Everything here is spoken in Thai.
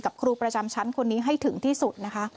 ครูประจำชั้นคนนี้ให้ถึงที่สุดนะคะ